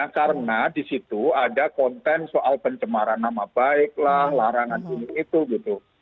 karena di situ ada konten soal pencemaran nama baik lah larangan itu gitu